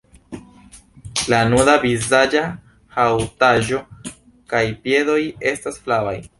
La nuda vizaĝa haŭtaĵo kaj piedoj estas flavaj.